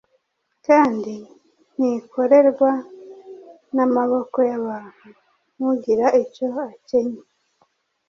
kandi ntikorerwa n’amaboko y’abantu, nk’ugira icyo akennye